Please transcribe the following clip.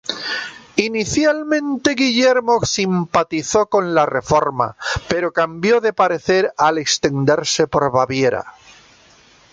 Inicialmente Guillermo simpatizó con la Reforma pero cambió de parecer al extenderse por Baviera.